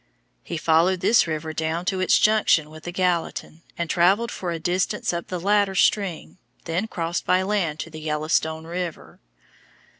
He followed this river down to its junction with the Gallatin, and travelled for a distance up the latter stream, then crossed by land to the Yellowstone River.